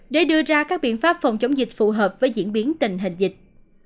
để đưa ra các biện pháp phòng chống dịch phù hợp với diễn biến tình hình dịch